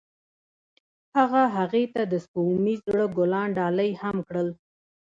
هغه هغې ته د سپوږمیز زړه ګلان ډالۍ هم کړل.